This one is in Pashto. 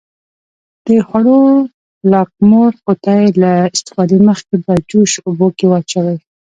د خوړو لاکمُر قوطي له استفادې مخکې په جوش اوبو کې واچوئ.